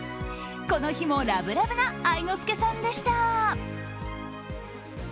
この日もラブラブな愛之助さんでした。